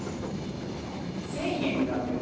１０００円になるけど。